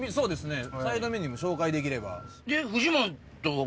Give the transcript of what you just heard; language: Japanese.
サイドメニューも紹介できれば。